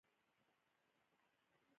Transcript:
شهزاده میترنیخ په حکومت کې ژور نفوذ غځولی و.